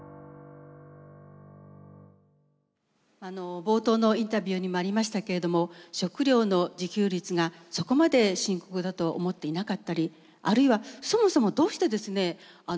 あの冒頭のインタビューにもありましたけれども食料の自給率がそこまで深刻だと思っていなかったりあるいはそもそもどうしてですね